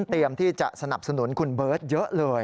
เตรียมที่จะสนับสนุนคุณเบิร์ตเยอะเลย